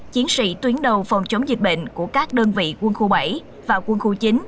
chiến sĩ tuyến đầu phòng chống dịch bệnh của các đơn vị quân khu bảy và quân khu chín